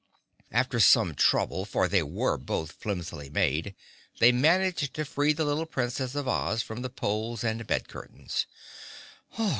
After some trouble, for they were both flimsily made, they managed to free the little Princess of Oz from the poles and bed curtains.